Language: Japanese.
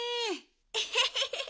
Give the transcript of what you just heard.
エヘヘヘヘ。